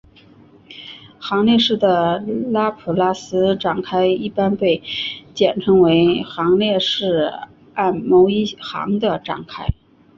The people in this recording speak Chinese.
行列式的拉普拉斯展开一般被简称为行列式按某一行的展开。